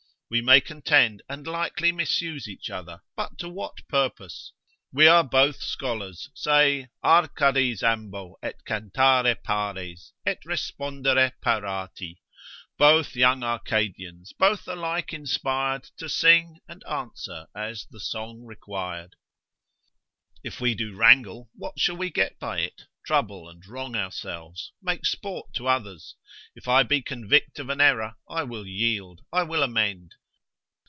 We may contend, and likely misuse each other, but to what purpose? We are both scholars, say, ———Arcades ambo Et Cantare pares, et respondere parati. Both young Arcadians, both alike inspir'd To sing and answer as the song requir'd. If we do wrangle, what shall we get by it? Trouble and wrong ourselves, make sport to others. If I be convict of an error, I will yield, I will amend.